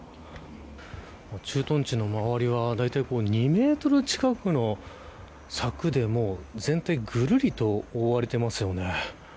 駐屯地の周りはだいたい２メートル近くの柵で全体がぐるりと覆われています。